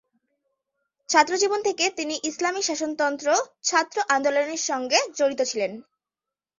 ছাত্রজীবন থেকে তিনি ইসলামী শাসনতন্ত্র ছাত্র আন্দোলনের সঙ্গে জড়িত ছিলেন।